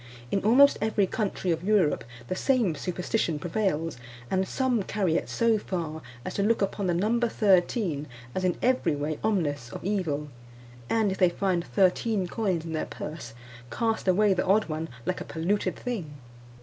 In almost every country of Europe the same superstition prevails, and some carry it so far as to look upon the number thirteen as in every way ominous of evil; and if they find thirteen coins in their purse, cast away the odd one like a polluted thing.